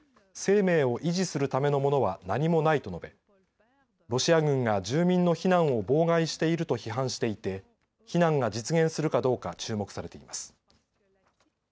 生命を維持するためのものは何もないと述べ、ロシア軍が住民の避難を妨害していると批判していて避難が実現するかどうか注目されています。